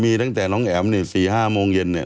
มีตั้งแต่น้องแอ๋มเนี่ย๔๕โมงเย็นเนี่ย